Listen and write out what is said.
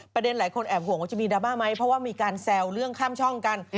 หลายคนแอบห่วงว่าจะมีดราม่าไหมเพราะว่ามีการแซวเรื่องข้ามช่องกัน